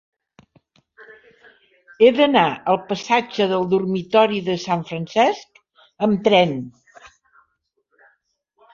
He d'anar al passatge del Dormitori de Sant Francesc amb tren.